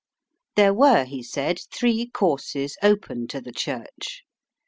There were, he said, three courses open to the Church.